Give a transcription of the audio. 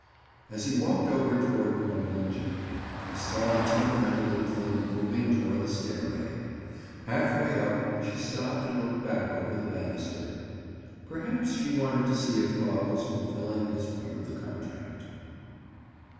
As he walked over toward Gwendoline Gerald, he saw the temperamental little thing moving toward the stairway. Half way up, she stopped and looked back over the banister. Perhaps she wanted to see if Bob was fulfilling his part of the contract.